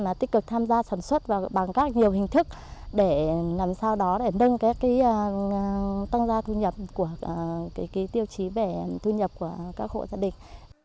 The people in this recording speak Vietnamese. là tích cực tham gia sản xuất và bằng các nhiều hình thức để làm sao đó để nâng các cái tăng gia thu nhập của tiêu chí về thu nhập của các hộ gia đình